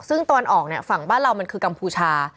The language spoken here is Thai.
ซึ่งตะวันออกเนี่ยฝั่งบ้านเรามันคือกัมพูชา